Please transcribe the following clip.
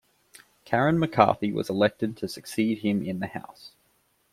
Karen McCarthy was elected to succeed him in the House.